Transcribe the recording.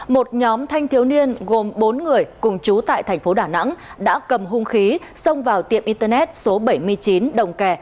một nhóm thanh thiếu niên gồm bốn người cùng chú tại thành phố đà nẵng đã cầm hung khí xông vào tiệm internet số bảy mươi chín đồng kè